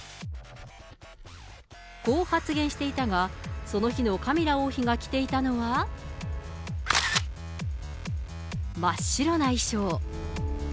こう発言していたが、その日のカミラ王妃が着ていたのは、真っ白な衣装。